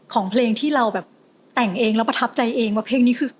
ของเพลงที่เราแบบแต่งเองแล้วประทับใจเองว่าเพลงนี้คือ